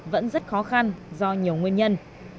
vẫn rất khó khăn do nhiều nguyên nhân